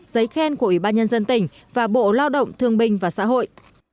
giấy khen của ủy ban nhân dân tỉnh và bộ lao động thương binh và xã hội